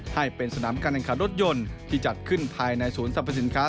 ให้เป็นสนามการแข่งขันรถยนต์ที่จัดขึ้นภายในศูนย์สรรพสินค้า